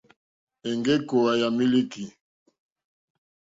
Èŋɡé kòòwà yà mílíkì.